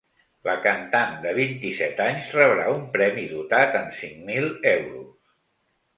La cantant de vint-i-set anys rebrà un premi dotat en cinc mil euros.